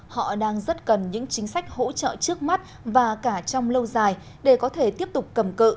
họ đang rất cần những chính sách hỗ trợ trước mắt và cả trong lâu dài để có thể tiếp tục cầm cự